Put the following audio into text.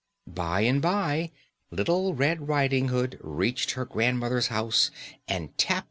] By and by Little Red Riding Hood reached her grandmother's house, and tapped at the door.